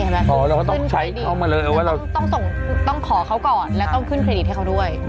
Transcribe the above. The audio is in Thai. อ๋อเราก็ต้องใช้เข้ามาเลยต้องขอเขาก่อนแล้วก็ต้องขึ้นเครดิตให้เขาด้วย